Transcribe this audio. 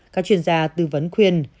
các chuyên gia tư vấn khuyên